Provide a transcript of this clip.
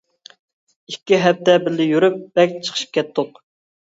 ئىككى ھەپتە بىللە يۈرۈپ بەك چىقىشىپ كەتتۇق.